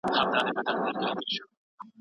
تخنيکي وسايل پرمختګ کوي.